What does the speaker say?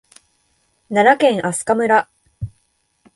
奈良県明日香村